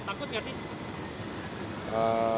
takut gak sih